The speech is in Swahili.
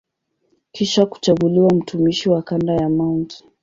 Kisha kuchaguliwa mtumishi wa kanda ya Mt.